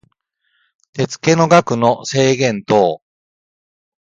手付の額の制限等